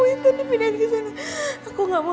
nintan dipindahin ke sana aku gak mau